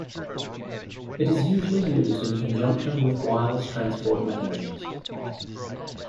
It is usually used in conjunction with wireless transport mechanisms.